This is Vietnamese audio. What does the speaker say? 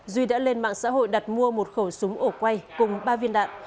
duy đã lên mạng xã hội đặt mua một khẩu súng ổ quay cùng ba viên đạn